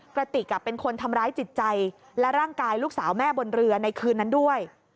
กระติกเป็นคนทำร้ายจิตใจและร่างกายลูกสาวแม่บนเรือในคืนนั้นด้วย